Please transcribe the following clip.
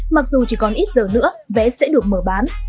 mặc dù chỉ còn ít giờ nữa vé sẽ được mở bán